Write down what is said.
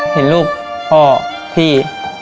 เห็นลูกพ่อพี่